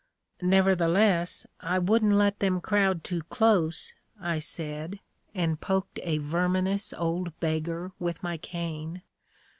"Nevertheless, I wouldn't let them crowd too dose," I said, and poked a verminous old beggar with my cane.